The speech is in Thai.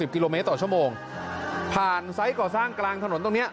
กิโลเมตรต่อชั่วโมงผ่านไซส์ก่อสร้างกลางถนนตรงนี้